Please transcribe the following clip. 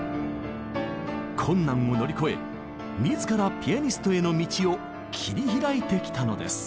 困難を乗り越え自らピアニストへの道を切り開いてきたのです。